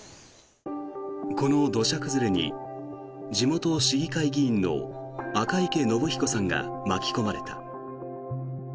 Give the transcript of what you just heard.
この土砂崩れに地元市議会議員の赤池信彦さんが巻き込まれた。